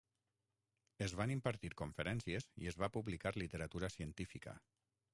Es van impartir conferències i es va publicar literatura científica.